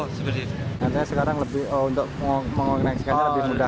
nantinya sekarang untuk mengongkongnya lebih mudah